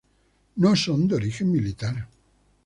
No son de origen militar.